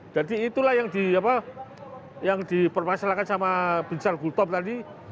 jadi itulah yang dipermasalahkan sama bin sargultom tadi